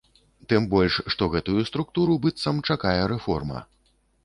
Тым больш, што гэтую структуру, быццам, чакае рэформа.